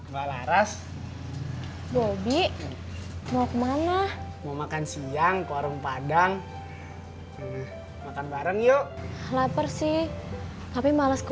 balaras bobby mau kemana mau makan siang korang padang makan bareng yuk lapar sih tapi males ke